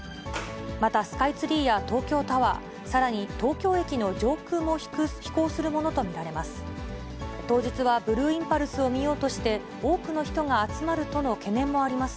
またスカイツリーや東京タワー、さらに東京駅の上空も飛行するものと見られます。